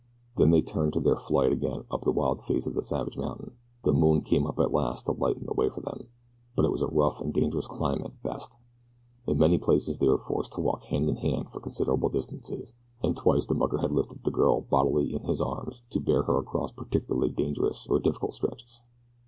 Then they turned to their flight again up the wild face of the savage mountain. The moon came up at last to lighten the way for them, but it was a rough and dangerous climb at best. In many places they were forced to walk hand in hand for considerable distances, and twice the mucker had lifted the girl bodily in his arms to bear her across particularly dangerous or difficult stretches.